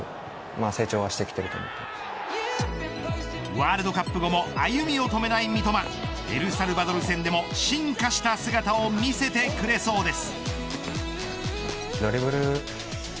ワールドカップ後も歩みを止めない三笘エルサルバドル戦でも進化した姿を見せてくれそうです。